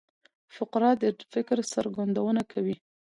فقره د فکر څرګندونه کوي.